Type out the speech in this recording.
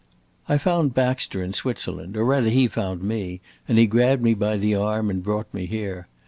I found Baxter in Switzerland, or rather he found me, and he grabbed me by the arm and brought me here.